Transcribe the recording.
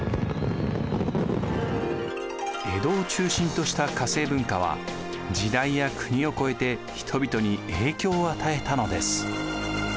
江戸を中心とした化政文化は時代や国を越えて人々に影響を与えたのです。